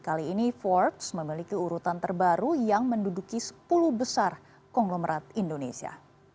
kali ini forbes memiliki urutan terbaru yang menduduki sepuluh besar konglomerat indonesia